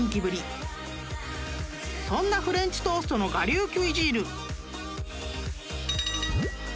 ［そんなフレンチトーストの我流キュイジーヌ］